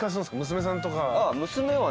娘さんとか。